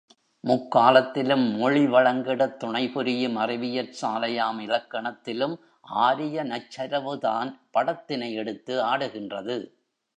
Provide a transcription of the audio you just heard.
முக்காலத்திலும் மொழி வழங்கிடத் துணைபுரியும் அறிவியற்சாலையாம் இலக்கணத்திலும், ஆரிய நச்சரவுதான் படத்தினை எடுத்து ஆடுகின்றது.